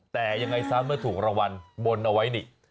แต่ยังไงซะเมื่อถูกรางวัลบนเอาไว้นี่